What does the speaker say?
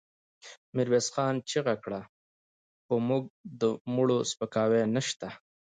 ميرويس خان چيغه کړه! په موږ کې د مړو سپکاوی نشته.